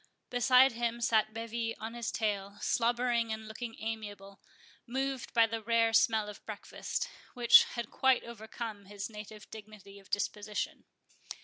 Beside him sat Bevis on his tail, slobbering and looking amiable, moved by the rare smell of the breakfast, which had quite overcome his native dignity of disposition.